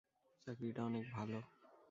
চাকরিটা অনেক ভালো।